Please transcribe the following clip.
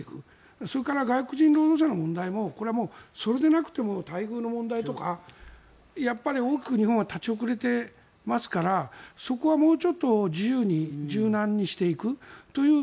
それから外国人労働者の問題もこれもそれでなくても待遇の問題とかやっぱり大きく日本は立ち遅れていますからそこはもうちょっと自由に柔軟にしていくという。